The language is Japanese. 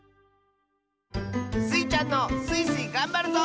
スイちゃんの「スイスイ！がんばるぞ」